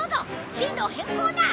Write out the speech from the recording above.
進路を変更だ。